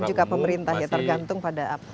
dan juga pemerintah ya tergantung pada apa